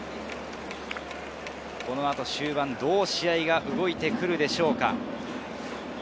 このあと終盤、どう試合が動いてくるでしょうか。